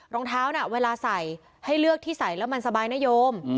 รองเท้าน่ะเวลาใส่ให้เลือกที่ใส่แล้วมันสบายนโยม